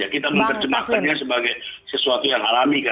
kita menerjemahkannya sebagai sesuatu yang alami